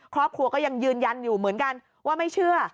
ก็ยังยืนยันอยู่เหมือนกันว่าไม่เชื่อ